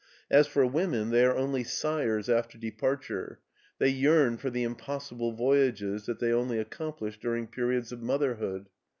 As for women, they are only sighers after departure; they yearn for the impossible voyages that they only accomplish dur ing periods of motherhood.